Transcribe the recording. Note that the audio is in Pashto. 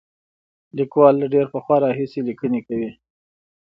لیکوال له ډېر پخوا راهیسې لیکنې کوي.